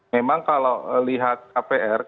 memang kalau lihat kpr